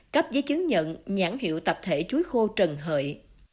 cắp với chứng nhận nhãn hiệu tập thể chuối khô trần hợi